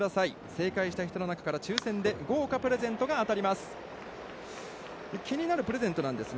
正解した人の中から抽選で豪華プレゼントが当たります。